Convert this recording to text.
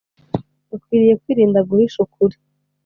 bakwiriye kwirinda guhisha ukuri